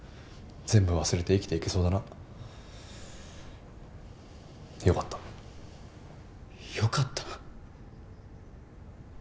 全部忘れて生きていけそうだな。よかった。よかった？